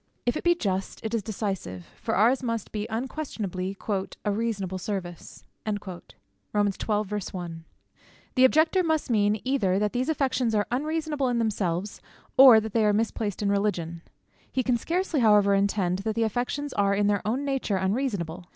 If it be just, it is decisive; for ours must be unquestionably "a reasonable service." The Objector must mean, either, that these affections are unreasonable in themselves, or that they are misplaced in religion. He can scarcely however intend that the affections are in their own nature unreasonable.